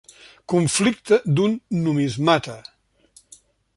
Conflicte d'un numismata.